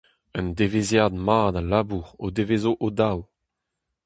Un devezhiad mat a labour o devezo o-daou.